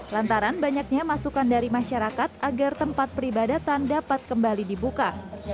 lantaran banyaknya masukan dari masyarakat agar tempat peribadatan dapat kembali dibuka